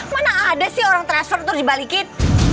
mana ada sih orang transfer terus dibalikin